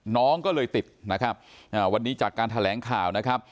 น้องก็เลยติดนะครับวันนี้จากการแถลงข่าวนะครับ